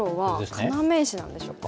要石なんでしょうか？